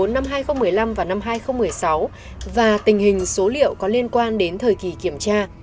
năm hai nghìn một mươi năm và năm hai nghìn một mươi sáu và tình hình số liệu có liên quan đến thời kỳ kiểm tra